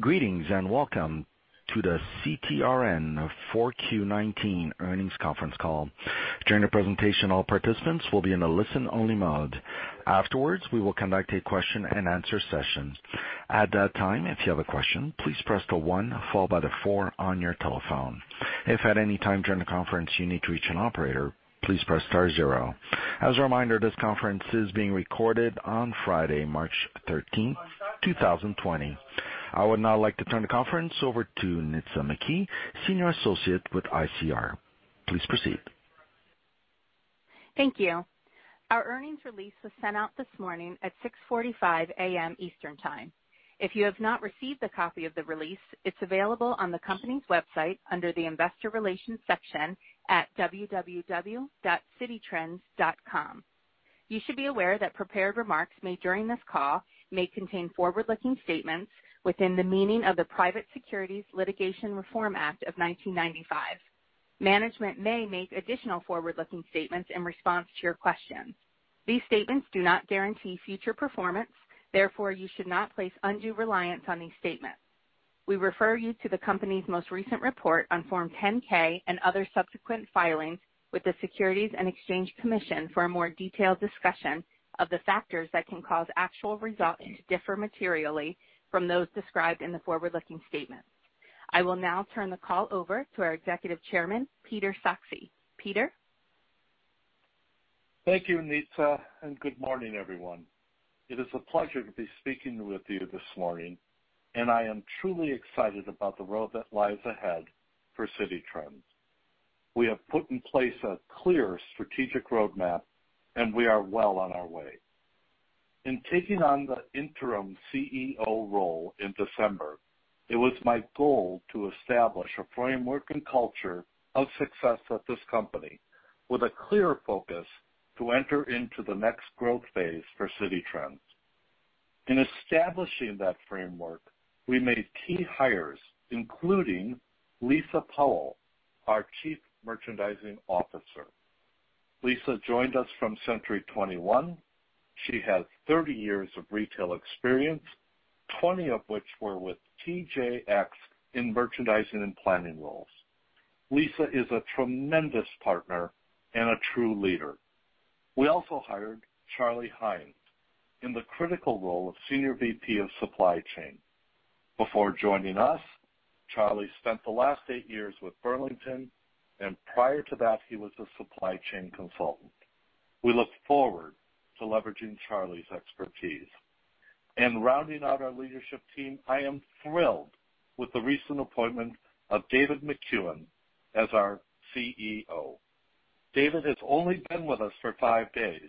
Greetings and welcome to the CTRN Q4 2019 Earnings Conference Call. During the presentation, all participants will be in a listen-only mode. Afterwards, we will conduct a question-and-answer session. At that time, if you have a question, please press the one followed by the four on your telephone. If at any time during the conference you need to reach an operator, please press star zero. As a reminder, this conference is being recorded on Friday, March 13th, 2020. I would now like to turn the conference over to Nitza McKee, Senior Associate with ICR. Please proceed. Thank you. Our earnings release was sent out this morning at 6:45AM Eastern Time. If you have not received a copy of the release, it's available on the company's website under the Investor Relations section at www.cititrends.com. You should be aware that prepared remarks made during this call may contain forward-looking statements within the meaning of the Private Securities Litigation Reform Act of 1995. Management may make additional forward-looking statements in response to your questions. These statements do not guarantee future performance, therefore, you should not place undue reliance on these statements. We refer you to the company's most recent report on Form 10-K and other subsequent filings with the Securities and Exchange Commission for a more detailed discussion of the factors that can cause actual results to differ materially from those described in the forward-looking statements. I will now turn the call over to our Executive Chairman, Peter Sachse. Peter. Thank you, Nitza, and good morning, everyone. It is a pleasure to be speaking with you this morning, and I am truly excited about the road that lies ahead for Citi Trends. We have put in place a clear strategic roadmap, and we are well on our way. In taking on the interim CEO role in December, it was my goal to establish a framework and culture of success at this company with a clear focus to enter into the next growth phase for Citi Trends. In establishing that framework, we made key hires, including Lisa Powell, our Chief Merchandising Officer. Lisa joined us from Century 21. She has 30 years of retail experience, 20 of which were with TJX in merchandising and planning roles. Lisa is a tremendous partner and a true leader. We also hired Charlie Hynes in the critical role of Senior VP of Supply Chain. Before joining us, Charlie spent the last eight years with Burlington, and prior to that, he was a supply chain consultant. We look forward to leveraging Charlie's expertise. Rounding out our leadership team, I am thrilled with the recent appointment of David Makuen as our CEO. David has only been with us for five days,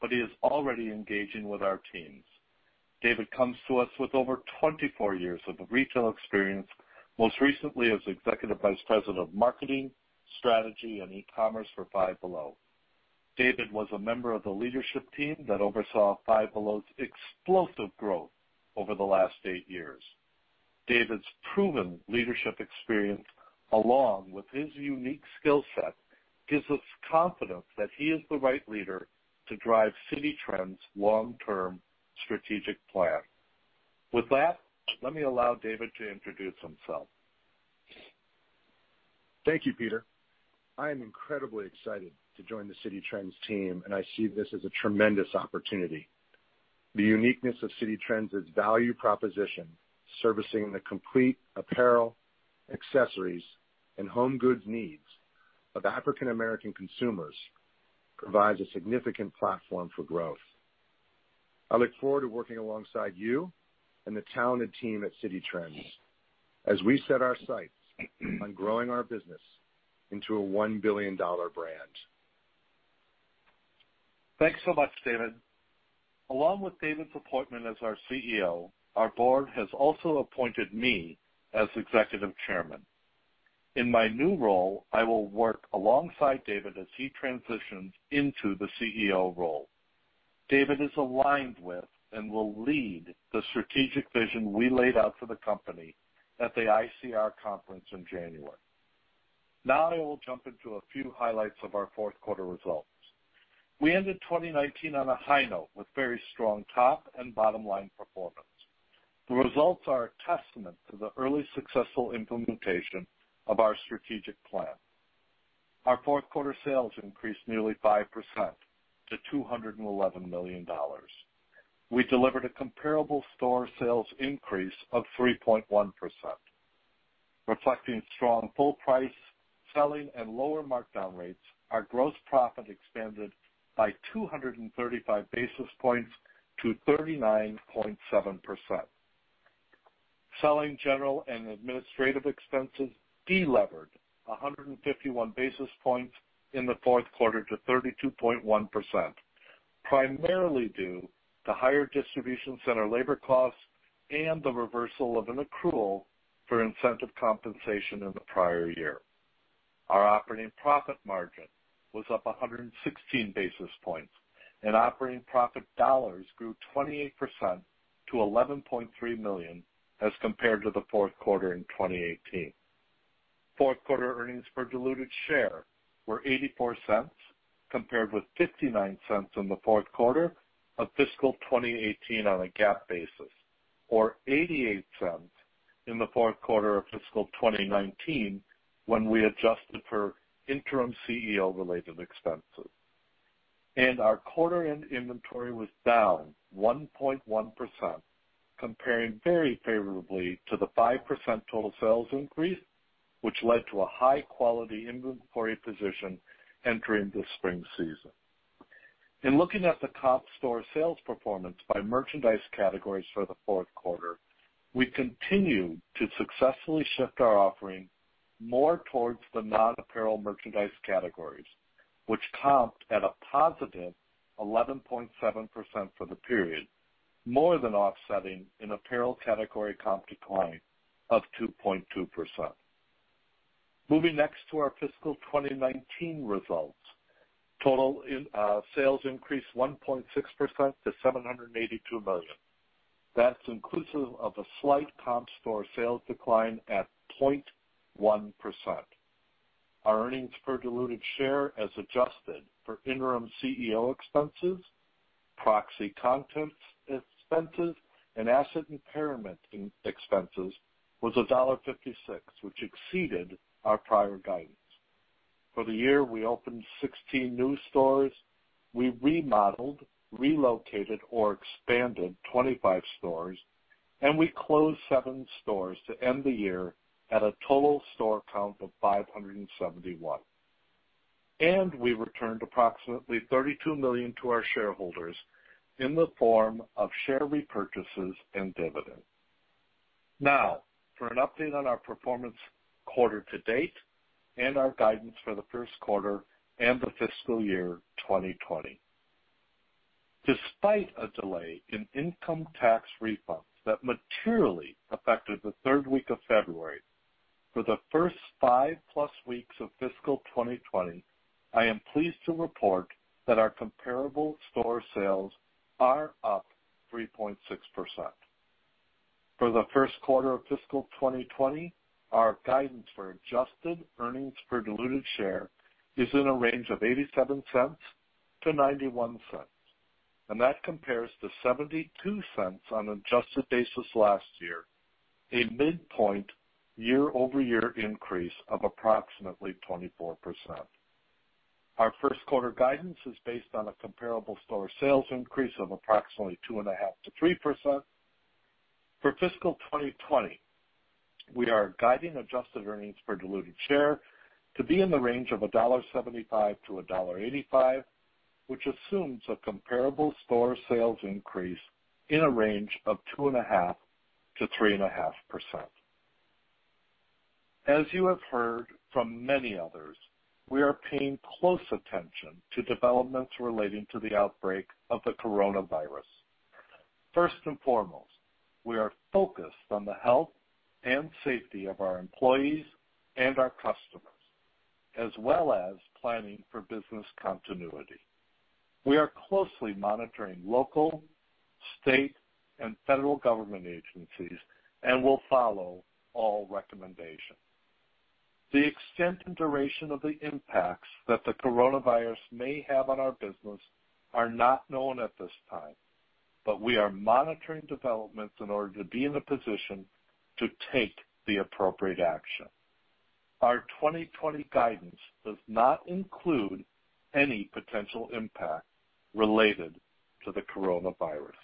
but he is already engaging with our teams. David comes to us with over 24 years of retail experience, most recently as Executive Vice President of Marketing, Strategy, and E-commerce for Five Below. David was a member of the leadership team that oversaw Five Below's explosive growth over the last eight years. David's proven leadership experience, along with his unique skill set, gives us confidence that he is the right leader to drive Citi Trends' long-term strategic plan. With that, let me allow David to introduce himself. Thank you, Peter. I am incredibly excited to join the Citi Trends team, and I see this as a tremendous opportunity. The uniqueness of Citi Trends' value proposition, servicing the complete apparel, accessories, and home goods needs of African American consumers, provides a significant platform for growth. I look forward to working alongside you and the talented team at Citi Trends as we set our sights on growing our business into a $1 billion brand. Thanks so much, David. Along with David's appointment as our CEO, our board has also appointed me as Executive Chairman. In my new role, I will work alongside David as he transitions into the CEO role. David is aligned with and will lead the strategic vision we laid out for the company at the ICR Conference in January. Now, I will jump into a few highlights of our Q4 results. We ended 2019 on a high note with very strong top and bottom line performance. The results are a testament to the early successful implementation of our strategic plan. Our Q4 sales increased nearly 5% to $211 million. We delivered a comparable store sales increase of 3.1%. Reflecting strong full price selling and lower markdown rates, our gross profit expanded by 235 basis points to 39.7%. Selling, general, and administrative expenses delevered 151 basis points in the Q4 to 32.1%, primarily due to higher distribution center labor costs and the reversal of an accrual for incentive compensation in the prior year. Our operating profit margin was up 116 basis points, and operating profit dollars grew 28% to $11.3 million as compared to the Q4 in 2018. Q4 earnings per diluted share were $0.84, compared with $0.59 in the Q4 of fiscal 2018 on a GAAP basis, or $0.88 in the Q4 of fiscal 2019 when we adjusted for interim CEO-related expenses. Our quarter-end inventory was down 1.1%, comparing very favorably to the 5% total sales increase, which led to a high-quality inventory position entering the spring season. In looking at the top store sales performance by merchandise categories for the Q4, we continued to successfully shift our offering more towards the non-apparel merchandise categories, which comped at a positive 11.7% for the period, more than offsetting an apparel category comp decline of 2.2%. Moving next to our fiscal 2019 results, total sales increased 1.6% to $782 million. That's inclusive of a slight comp store sales decline at 0.1%. Our earnings per diluted share, as adjusted for interim CEO expenses, proxy content expenses, and asset impairment expenses, was $1.56, which exceeded our prior guidance. For the year, we opened 16 new stores. We remodeled, relocated, or expanded 25 stores, and we closed 7 stores to end the year at a total store count of 571. We returned approximately $32 million to our shareholders in the form of share repurchases and dividends. Now, for an update on our performance quarter to date and our guidance for the Q1 and the fiscal year 2020. Despite a delay in income tax refunds that materially affected the third week of February, for the first five plus weeks of fiscal 2020, I am pleased to report that our comparable store sales are up 3.6%. For the Q1 of fiscal 2020, our guidance for adjusted earnings per diluted share is in a range of $0.87 to $0.91, and that compares to $0.72 on an adjusted basis last year, a midpoint year-over-year increase of approximately 24%. Our Q1 guidance is based on a comparable store sales increase of approximately 2.5% to 3%. For fiscal 2020, we are guiding adjusted earnings per diluted share to be in the range of $1.75 to $1.85, which assumes a comparable store sales increase in a range of 2.5% to 3.5%. As you have heard from many others, we are paying close attention to developments relating to the outbreak of the coronavirus. First and foremost, we are focused on the health and safety of our employees and our customers, as well as planning for business continuity. We are closely monitoring local, state, and federal government agencies and will follow all recommendations. The extent and duration of the impacts that the coronavirus may have on our business are not known at this time, but we are monitoring developments in order to be in a position to take the appropriate action. Our 2020 guidance does not include any potential impact related to the coronavirus.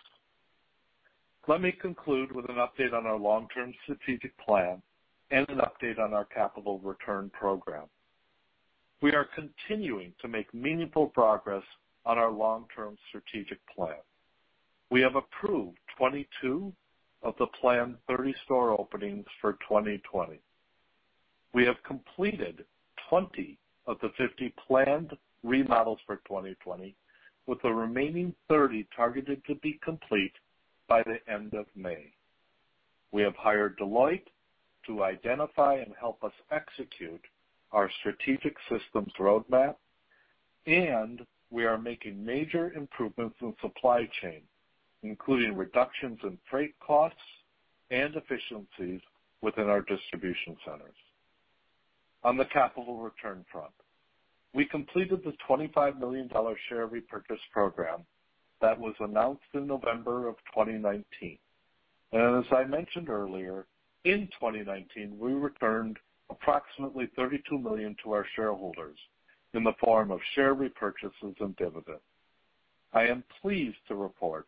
Let me conclude with an update on our long-term strategic plan and an update on our capital return program. We are continuing to make meaningful progress on our long-term strategic plan. We have approved 22 of the planned 30 store openings for 2020. We have completed 20 of the 50 planned remodels for 2020, with the remaining 30 targeted to be complete by the end of May. We have hired Deloitte to identify and help us execute our strategic systems roadmap, and we are making major improvements in supply chain, including reductions in freight costs and efficiencies within our distribution centers. On the capital return front, we completed the $25 million share repurchase program that was announced in November of 2019. As I mentioned earlier, in 2019, we returned approximately $32 million to our shareholders in the form of share repurchases and dividends. I am pleased to report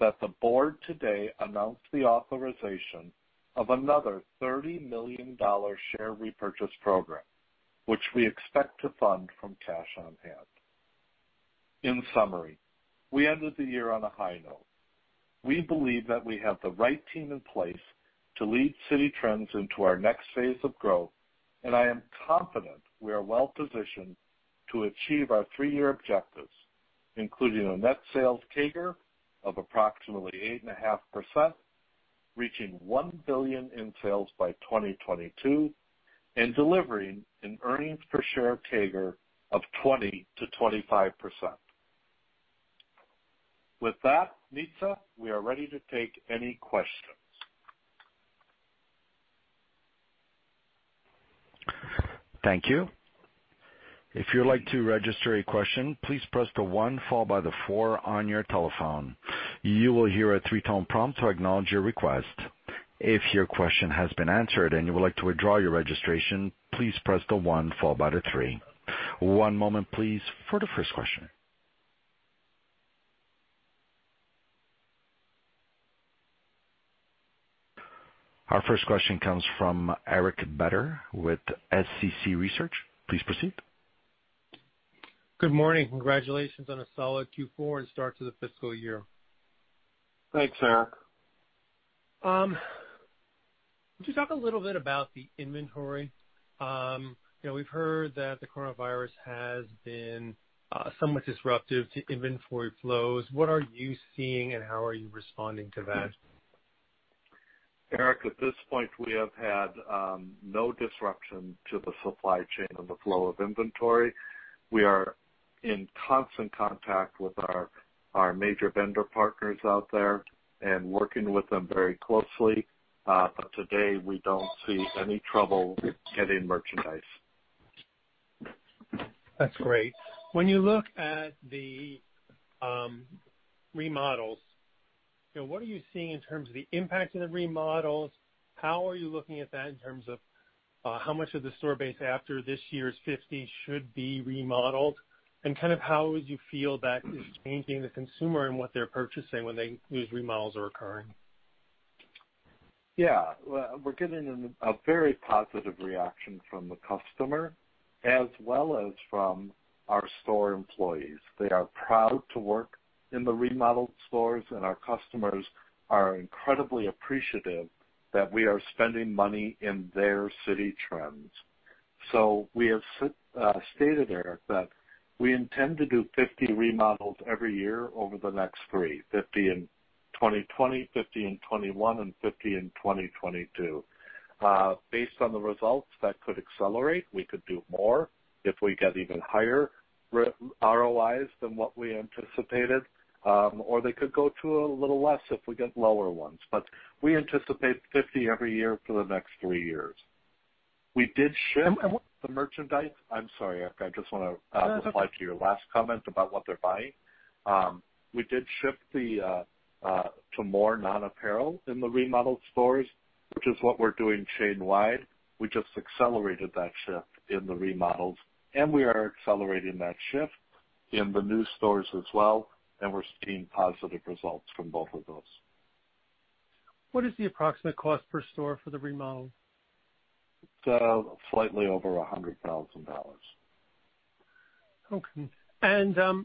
that the board today announced the authorization of another $30 million share repurchase program, which we expect to fund from cash on hand. In summary, we ended the year on a high note. We believe that we have the right team in place to lead Citi Trends into our next phase of growth, and I am confident we are well positioned to achieve our three-year objectives, including a net sales CAGR of approximately 8.5%, reaching $1 billion in sales by 2022, and delivering an earnings per share CAGR of 20% to 25%. With that, Nitza, we are ready to take any questions. Thank you. If you'd like to register a question, please press the one followed by the four on your telephone. You will hear a three-tone prompt to acknowledge your request. If your question has been answered and you would like to withdraw your registration, please press the one followed by the three. One moment, please, for the first question. Our first question comes from Eric Beder with SCC Research. Please proceed. Good morning. Congratulations on a solid Q4 and start to the fiscal year. Thanks, Eric. Could you talk a little bit about the inventory? We've heard that the coronavirus has been somewhat disruptive to inventory flows. What are you seeing, and how are you responding to that? Eric, at this point, we have had no disruption to the supply chain and the flow of inventory. We are in constant contact with our major vendor partners out there and working with them very closely. Today, we do not see any trouble getting merchandise. That's great. When you look at the remodels, what are you seeing in terms of the impact of the remodels? How are you looking at that in terms of how much of the store base after this year's 50 should be remodeled? How would you feel that is changing the consumer and what they're purchasing when those remodels are occurring? Yeah. We're getting a very positive reaction from the customer as well as from our store employees. They are proud to work in the remodeled stores, and our customers are incredibly appreciative that we are spending money in their Citi Trends. We have stated, Eric, that we intend to do 50 remodels every year over the next three: 50 in 2020, 50 in 2021, and 50 in 2022. Based on the results, that could accelerate. We could do more if we get even higher ROIs than what we anticipated, or they could go to a little less if we get lower ones. We anticipate 50 every year for the next three years. We did ship the merchandise—I'm sorry, Eric. I just want to reply to your last comment about what they're buying. We did shift to more non-apparel in the remodeled stores, which is what we're doing chain-wide. We just accelerated that shift in the remodels, and we are accelerating that shift in the new stores as well, and we're seeing positive results from both of those. What is the approximate cost per store for the remodel? It's slightly over $100,000. Okay.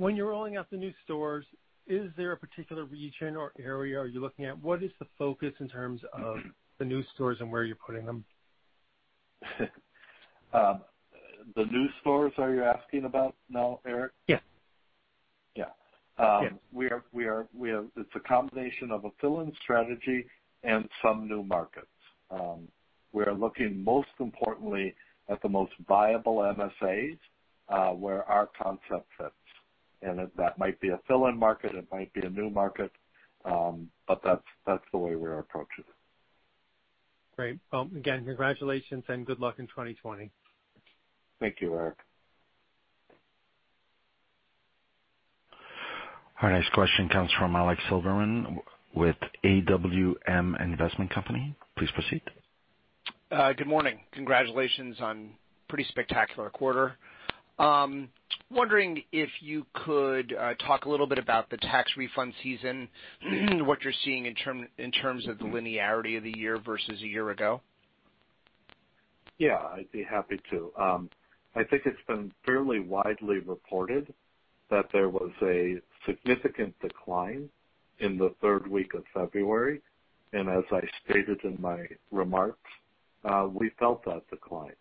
When you're rolling out the new stores, is there a particular region or area you're looking at? What is the focus in terms of the new stores and where you're putting them? The new stores, are you asking about now, Eric? Yes. Yeah. It's a combination of a fill-in strategy and some new markets. We are looking most importantly at the most viable MSAs where our concept fits. That might be a fill-in market. It might be a new market, but that's the way we're approaching it. Great. Again, congratulations and good luck in 2020. Thank you, Eric. Our next question comes from Alex Silverman with AWM Investment Company. Please proceed. Good morning. Congratulations on a pretty spectacular quarter. Wondering if you could talk a little bit about the tax refund season, what you're seeing in terms of the linearity of the year versus a year ago. Yeah. I'd be happy to. I think it's been fairly widely reported that there was a significant decline in the third week of February. As I stated in my remarks, we felt that decline.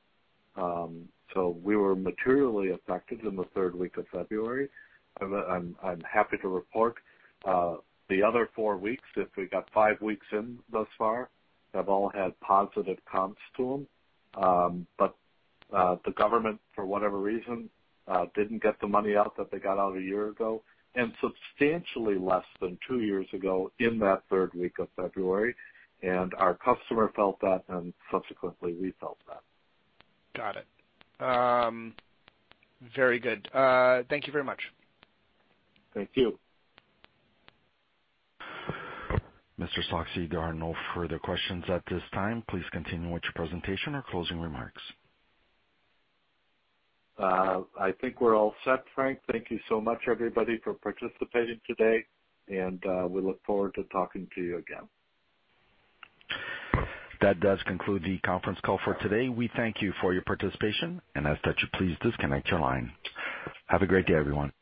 We were materially affected in the third week of February. I'm happy to report the other four weeks, if we got five weeks in thus far, have all had positive comps to them. The government, for whatever reason, didn't get the money out that they got out a year ago and substantially less than two years ago in that third week of February. Our customer felt that, and subsequently, we felt that. Got it. Very good. Thank you very much. Thank you. There are no further questions at this time. Please continue with your presentation or closing remarks. I think we're all set, Frank. Thank you so much, everybody, for participating today, and we look forward to talking to you again. That does conclude the conference call for today. We thank you for your participation, and as such, you please disconnect your line. Have a great day, everyone.